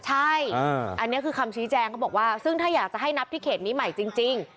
ใช่อันนี้คือคำชี้แจงเขาบอกว่าซึ่งถ้าอยากจะให้นับที่เขตนี้ใหม่จริง